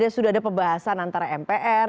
sudah ada pembahasan antara mpr